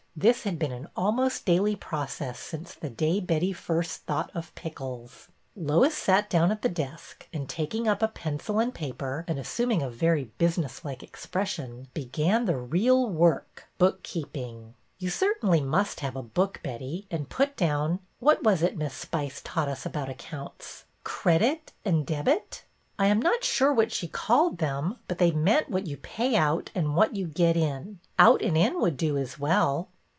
This had been an almost daily process since the day Betty first thought of pickles. Lois sat down at the desk and, taking up a pencil and paper, and assuming a very business like expression, began the real work, — book keeping. '' You certainly must have a book, Betty, and put down — what was it Miss Spice taught us about accounts? Credit and Debit?" I am not sure what she called them, but they meant what you pay out and what you get in. Out and In would do as well."